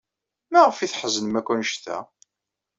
Maɣef ay tḥeznem akk anect-a?